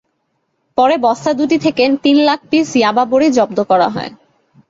পরে বস্তা দুটি থেকে তিন লাখ পিস ইয়াবা বড়ি জব্দ করা হয়।